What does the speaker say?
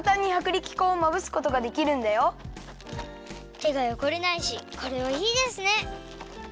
てがよごれないしこれはいいですね！